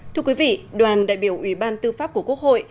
thưa quý vị đoàn đại biểu ủy ban tư pháp của quốc hội